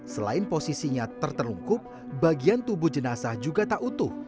selain posisinya terterlungkup bagian tubuh jenazah juga tak utuh